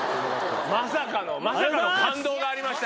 まさかの、まさかの感動がありました。